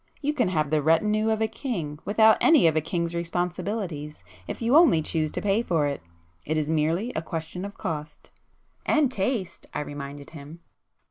you can have the retinue of a king without any of a king's responsibilities, if you only choose to pay for it. It is merely a question of cost." "And taste!" I reminded him.